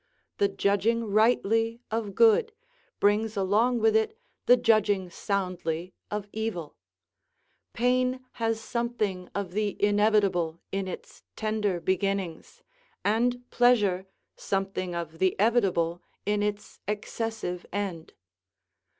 The judging rightly of good brings along with it the judging soundly of evil: pain has something of the inevitable in its tender beginnings, and pleasure something of the evitable in its excessive end.